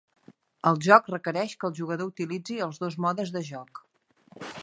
El joc requereix que el jugador utilitzi els dos modes de joc.